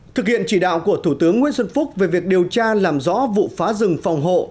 thực hiện chỉ đạo của thủ tướng nguyễn xuân phúc về việc điều tra làm rõ vụ phá rừng phòng hộ